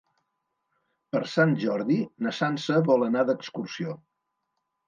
Per Sant Jordi na Sança vol anar d'excursió.